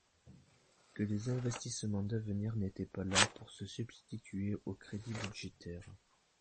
que les investissements d’avenir n’étaient pas là pour se substituer aux crédits budgétaires.